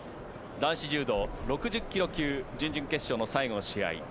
男子柔道６０ｋｇ級準々決勝の最後の試合